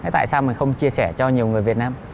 tại sao mình không chia sẻ cho nhiều người việt nam